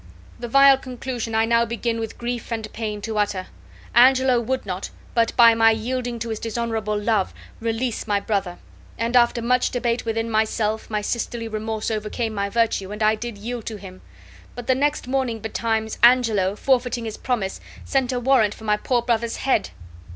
The vile conclusion I now begin with grief and pain to utter. Angelo would not, but by my yielding to his dishonorable love, release my brother; and after much debate within myself my sisterly remorse overcame my virtue, and I did yield to him. But the next morning betimes, Angelo, forfeiting his promise, sent a warrant for my poor brother's head!"